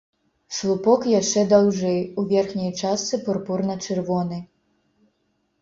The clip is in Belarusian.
Слупок яшчэ даўжэй, у верхняй частцы пурпурна-чырвоны.